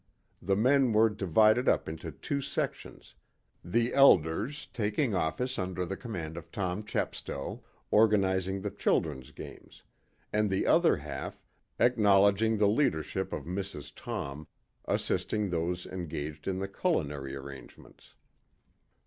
The men were divided up into two sections, the elders, taking office under the command of Tom Chepstow, organizing the children's games, and the other half, acknowledging the leadership of Mrs. Tom, assisting those engaged in the culinary arrangements.